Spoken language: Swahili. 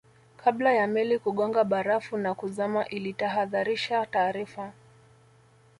kabla ya meli kugonga barafu na kuzama ilitahadharisha taarifa